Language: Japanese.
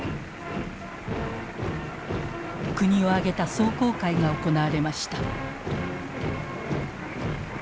国を挙げた壮行会が行われました。